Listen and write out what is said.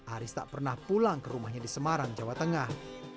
aris tak pernah pulang ke rumahnya di semarang jawa tengah